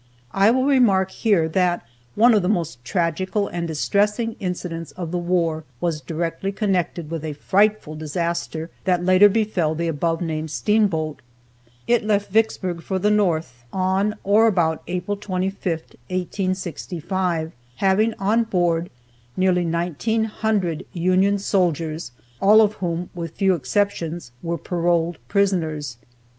I will remark here that one of the most tragical and distressing incidents of the war was directly connected with a frightful disaster that later befell the above named steamboat. It left Vicksburg for the north on or about April 25, 1865, having on board nearly 1900 Union soldiers, all of whom (with few exceptions) were paroled prisoners.